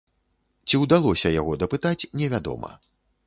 Ці ўдалося яго дапытаць, невядома.